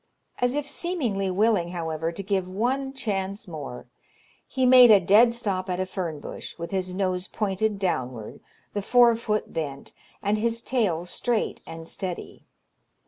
As if seemingly willing, however, to give one chance more, he made a dead stop at a fern bush, with his nose pointed downward, the fore foot bent, and his tail straight and steady.